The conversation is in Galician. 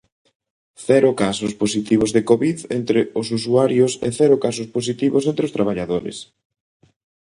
Cero casos positivos de Covid entre os usuarios e cero casos positivos entre traballadores.